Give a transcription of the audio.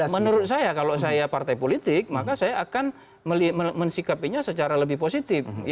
menurut saya kalau saya partai politik maka saya akan mensikapinya secara lebih positif